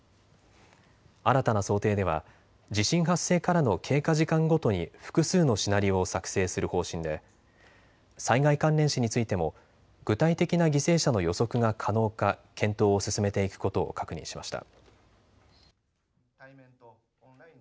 新たな想定では地震発生からの経過時間ごとに複数のシナリオを作成する方針で災害関連死についても具体的な犠牲者の予測が可能か検討を進めていくことを確認しました。